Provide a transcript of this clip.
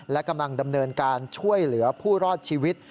และกำลังดำเนินการช่วยเหลือผู้รอดชีวิต